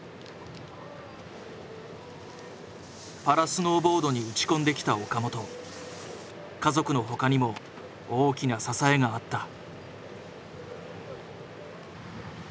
パラスノーボードに打ち込んできた岡本家族のほかにも大きな支えがあった。